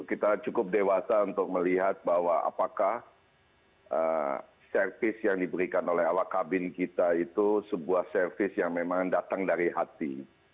kita cukup dewasa untuk melihat bahwa apakah servis yang diberikan oleh awak kabin kita itu sebuah servis yang memang datang dari hati